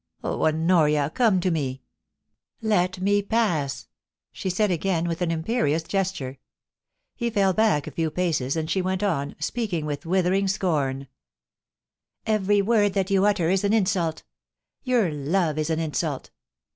Oh, Honoria, come to me !Let me pass/ she said again, with an imperious gesture. He fell back a few paces, and she went on, speaking with withering scorn :* Every word that you utter is an insult Your love is an insult